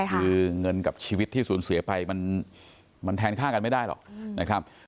คือเงินกับชีวิตที่สูญเสียไปมันแทนค่ากันไม่ได้หรอกนะครับ